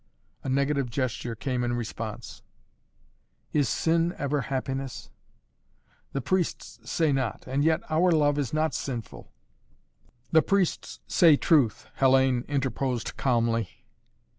A negative gesture came in response. "Is sin ever happiness?" "The priests say not! And yet our love is not sinful " "The priests say truth." Hellayne interposed calmly.